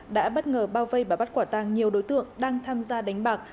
đã bất ngờ bao vây và bắt quả tàng nhiều đối tượng đang tham gia đánh bạc